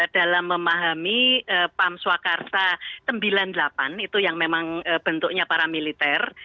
dalam memahami pam swakarsa sembilan puluh delapan itu yang memang bentuknya paramiliter